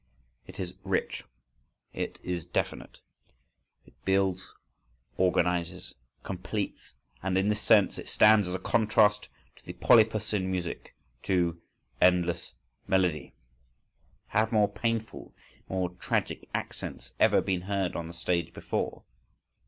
It is rich. It is definite. It builds, organises, completes, and in this sense it stands as a contrast to the polypus in music, to "endless melody". Have more painful, more tragic accents ever been heard on the stage before?